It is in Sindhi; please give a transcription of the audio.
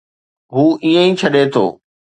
هو ائين ئي ڇڏي ٿو